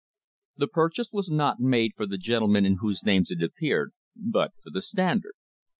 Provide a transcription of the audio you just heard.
The purchase was not made for the gentlemen in whose names it appeared, but for the Standard.